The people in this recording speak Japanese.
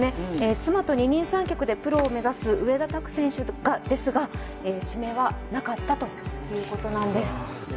妻と二人三脚でプロを目指す植田拓選手ですが指名はなかったということなんです。